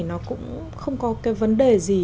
nó cũng không có cái vấn đề gì